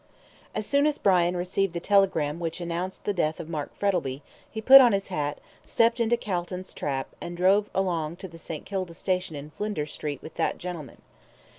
As soon as Brian received the telegram which announced the death of Mark Frettlby, he put on his hat, stepped into Calton's trap, and drove along to the St. Kilda station in Flinders Street with that gentleman.